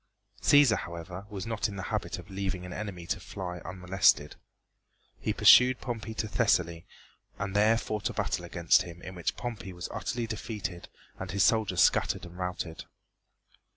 Cæsar, however, was not in the habit of leaving an enemy to fly unmolested. He pursued Pompey to Thessaly and there fought a battle against him in which Pompey was utterly defeated and his soldiers scattered and routed.